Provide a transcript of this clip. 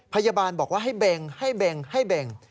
พยาบาลบอกว่าให้เบงให้เบงให้เบ่ง